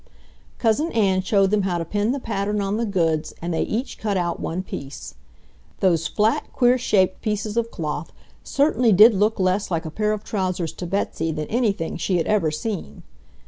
Cousin Ann showed them how to pin the pattern on the goods and they each cut out one piece. Those flat, queer shaped pieces of cloth certainly did look less like a pair of trousers to Betsy than anything she had ever seen.